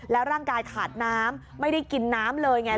ร่างกายขาดน้ำไม่ได้กินน้ำเลยไง